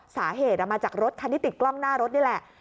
สาเหตุมาจากรถคันที่ติดกล้องหน้ารถนี่แหละ